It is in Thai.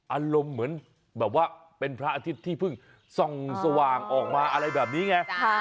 อารมณ์เหมือนแบบว่าเป็นพระอาทิตย์ที่เพิ่งส่องสว่างออกมาอะไรแบบนี้ไง